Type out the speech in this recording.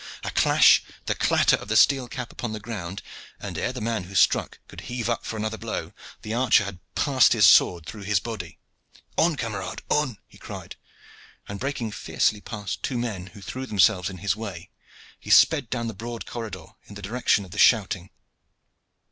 A clash, the clatter of the steel cap upon the ground, and, ere the man who struck could heave up for another blow, the archer had passed his sword through his body. "On, camarades, on!" he cried; and, breaking fiercely past two men who threw themselves in his way, he sped down the broad corridor in the direction of the shouting.